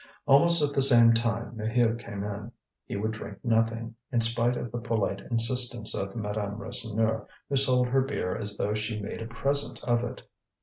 Almost at the same time Maheu came in. He would drink nothing, in spite of the polite insistence of Madame Rasseneur, who sold her beer as though she made a present of it.